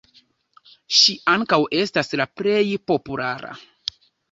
Ŝi ankaŭ estas la plej populara.